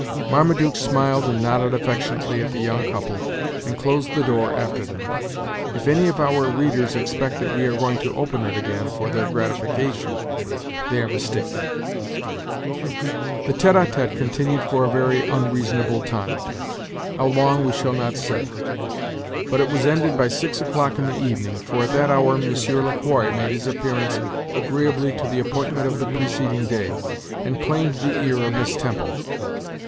Marmaduke smiled and nodded affectionately at the young couple, and closed the door after them. If any of our readers expect that we are going to open it again, for their gratification, they are mistaken. The tete a tete continued for a very unreasonable time how long we shall not say; but it was ended by six o'clock in the evening, for at that hour Monsieur Le Quoi made his appearance agreeably to the appointment of the preceding day, and claimed the ear of Miss Temple.